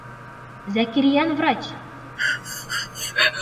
Зәкирйән, врач!